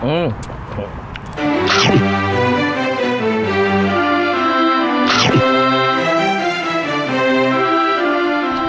อืม